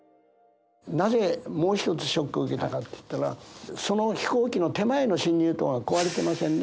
なぜもう一つショックを受けたかっていったらその飛行機の手前の進入灯が壊れてませんね。